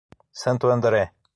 Santo André